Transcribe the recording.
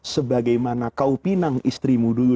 sebagaimana kau pinang istrimu dulu